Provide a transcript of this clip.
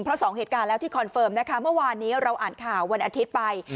เพราะสองเหตุการณ์แล้วที่คอนเฟิร์มนะคะเมื่อวานนี้เราอ่านข่าววันอาทิตย์ไป